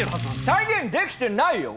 再現できてないよ！